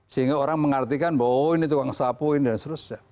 sehingga orang mengartikan bahwa ini tukang sapu ini dan seterusnya